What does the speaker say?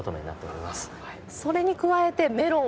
それに加えてメロンも。